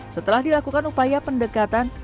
setelah dilakukan upaya pendekatan